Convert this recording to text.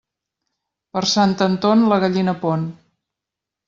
Per Sant Anton, la gallina pon.